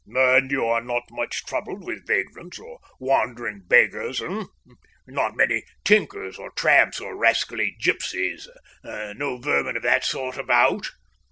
"And you are not much troubled with vagrants or wandering beggars, eh? Not many tinkers or tramps or rascally gipsies no vermin of that sort about?"